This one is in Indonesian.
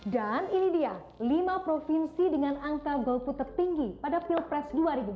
dan ini dia lima provinsi dengan angka golput tertinggi pada pilpres dua ribu empat belas